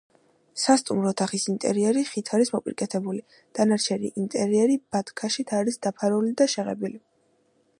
სასტუმრო ოთახის ინტერიერი ხით არის მოპირკეთებული; დანარჩენი ინტერიერი ბათქაშით არის დაფარული და შეღებილი.